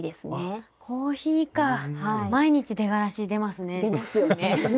毎日出がらし出ますね。